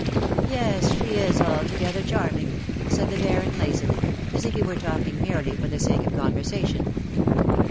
" Yes, she is altogether charming/^ said the Baron lazily, as if he were talking merely for the sake of conversation.